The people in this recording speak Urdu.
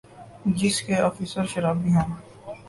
جس کے آفیسر شرابی ہوں